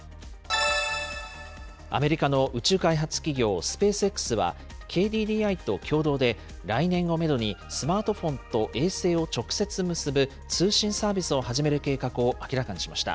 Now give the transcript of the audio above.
アメリカの宇宙開発企業、スペースＸは、ＫＤＤＩと共同で、来年をメドに、スマートフォンと衛星を直接結ぶ、通信サービスを始める計画を明らかにしました。